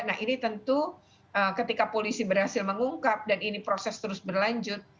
nah ini tentu ketika polisi berhasil mengungkap dan ini proses terus berlanjut